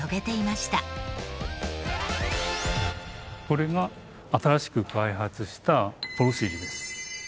これが新しく開発したぽろしりです。